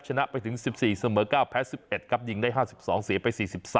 ชนะไปถึง๑๔เสมอ๙แพ้๑๑ครับยิงได้๕๒เสียไป๔๓